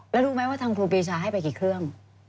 แล้วรู้ไหมว่าทางครูปีชาให้ไปกี่เครื่อง